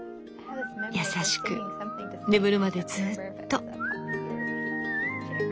優しく眠るまでずうっと。